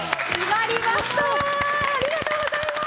ありがとうございます。